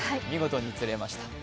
見事に釣れました、